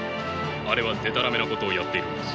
あれはでたらめなことをやっているのです。